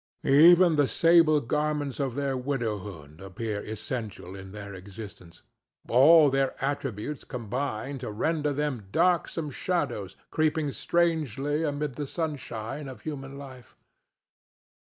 Even the sable garments of their widowhood appear essential to their existence; all their attributes combine to render them darksome shadows creeping strangely amid the sunshine of human life.